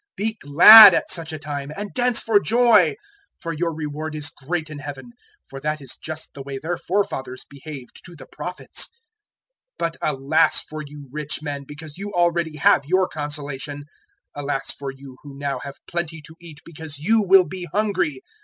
006:023 "Be glad at such a time, and dance for joy; for your reward is great in Heaven; for that is just the way their forefathers behaved to the Prophets! 006:024 "But alas for you rich men, because you already have your consolation! 006:025 "Alas for you who now have plenty to eat, because you will be hungry!